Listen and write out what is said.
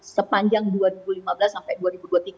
sepanjang dua ribu lima belas sampai dua ribu dua puluh tiga